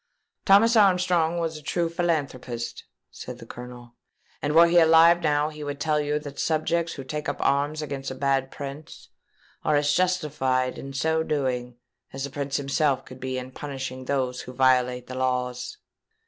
"Thomas Armstrong was a true philanthropist," said the Colonel; "and were he alive now, he would tell you that subjects who take up arms against a bad prince are as justified in so doing as the prince himself could be in punishing those who violate the laws."